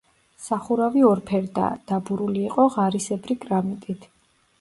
სახურავი ორფერდაა, დაბურული იყო ღარისებრი კრამიტით.